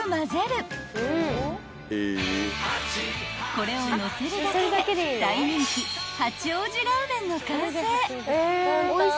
［これをのせるだけで大人気八王子ラーメンの完成］